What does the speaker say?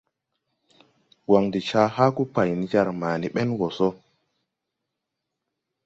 Wan de ca haagu pāy nen jar ma ni bɛn wɔ so.